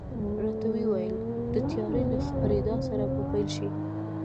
راته وې ویل، د تیارې له خپرېدا سره به پیل شي.